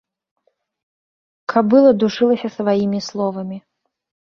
Кабыла душылася сваімі словамі.